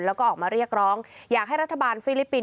แล้วก็ออกมาเรียกร้องอยากให้รัฐบาลฟิลิปปินส